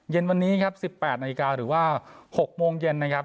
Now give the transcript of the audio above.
เย็นวันนี้ครับ๑๘นาฬิกาหรือว่า๖โมงเย็นนะครับ